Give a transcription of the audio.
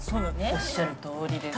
おっしゃるとおりです。